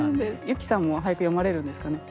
由紀さんも俳句詠まれるんですかね？